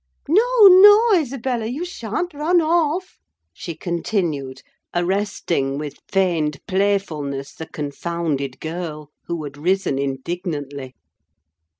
No, no, Isabella, you sha'n't run off," she continued, arresting, with feigned playfulness, the confounded girl, who had risen indignantly.